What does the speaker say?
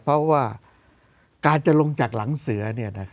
เพราะว่าการจะลงจากหลังเสือ